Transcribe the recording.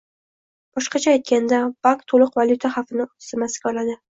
Boshqacha aytganda, bank to'liq valyuta xavfini o'z zimmasiga oladi